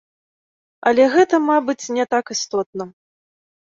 Але гэта, мабыць, не так істотна.